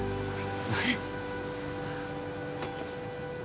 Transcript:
はい。